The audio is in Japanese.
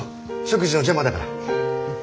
食事の邪魔だから。